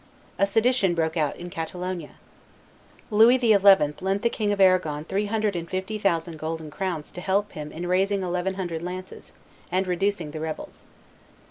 A sedition broke out in Catalonia. Louis XI. lent the King of Arragon three hundred and fifty thousand golden crowns to help him in raising eleven hundred lances, and reducing the rebels.